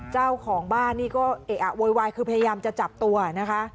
เจ้าของบ้านนี่ก็เอะอะโวยวายคือพยายามจะจับตัวนะคะ